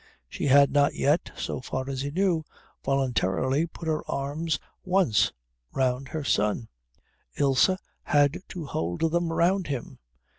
She had not yet, so far as he knew, voluntarily put her arms once round her son Ilse had to hold them round him.